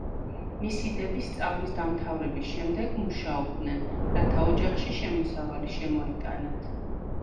მისი დები სწავლის დამთავრების შემდეგ, მუშაობდნენ, რათა ოჯახში შემოსავალი შემოეტანათ.